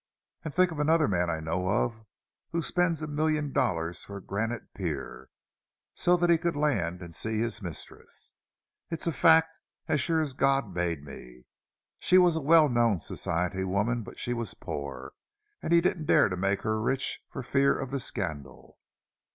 "And think of another man I know of who spent a million dollars for a granite pier, so that he could land and see his mistress!—It's a fact, as sure as God made me! She was a well known society woman, but she was poor, and he didn't dare to make her rich for fear of the scandal.